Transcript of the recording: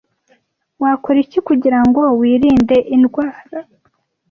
Wakora iki kugirango wirinde indwara?